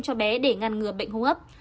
cho bé để ngăn ngừa bệnh hô hấp